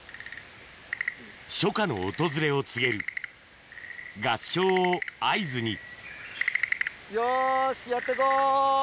初夏の訪れを告げる合唱を合図によしやってこう！